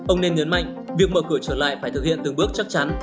ông nên nhấn mạnh việc mở cửa trở lại phải thực hiện từng bước chắc chắn